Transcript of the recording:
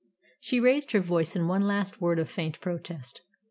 She raised her voice in one last word of faint protest.